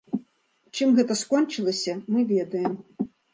Чым гэта скончылася, мы ведаем.